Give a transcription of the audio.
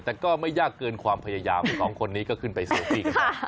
แต่ก็ไม่ยากเกินความพยายาม๒คนนี้ก็ขึ้นไปสูงพี่ค่ะ